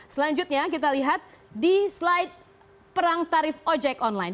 selanjutnya kita lihat di slide perang tarif ojek online